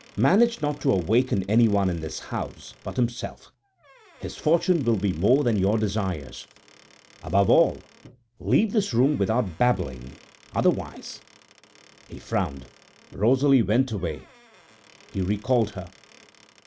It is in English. Manage not to awaken any one in his house but himself; his fortune will be more than your desires. Above all, leave this room without babbling, otherwise " He frowned. Rosalie went away, he recalled her.